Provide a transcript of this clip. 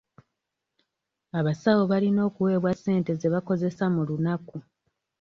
Abasawo balina okuweebwa ssente ze bakozesa mu lunaku.